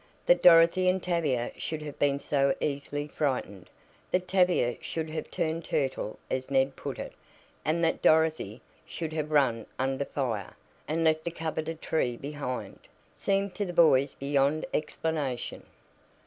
That Dorothy and Tavia should have been so easily frightened, that Tavia should have "turned turtle," as Ned put it, and that Dorothy "should have run under fire," and left the coveted tree behind, seemed to the boys beyond explanation.